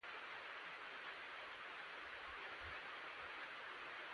چوپه چوپتیا یې د ډبرو حافظو کې شنه شوه